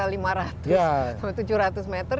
lima ratus sampai tujuh ratus meter